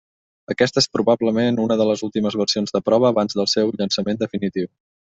Aquesta és probablement una de les últimes versions de prova abans del seu llançament definitiu.